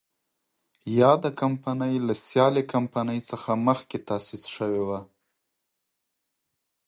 یاده کمپنۍ له سیالې کمپنۍ څخه مخکې تاسیس شوې وه.